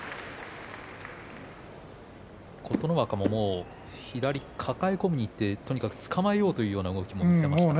琴ノ若ももう左、抱え込んでとにかくつかまえようという動きを見せました。